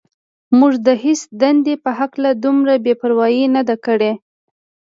موږ د هېڅ دندې په هکله دومره بې پروايي نه ده کړې.